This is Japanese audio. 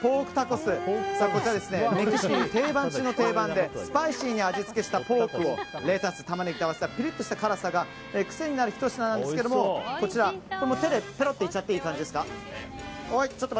こちらはメキシコの定番中の定番でスパイシーに味付けしたポークをレタス、タマネギと合わせたピリッとした辛さが癖になるひと品ですがこちら、手でぺろっていっちゃっていい感じですか。